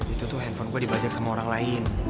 itu tuh handphone gue dibajak sama orang lain